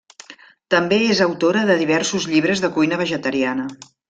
També és autora de diversos llibres de cuina vegetariana.